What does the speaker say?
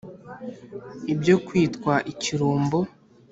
ibyo kwitwa ikirumbo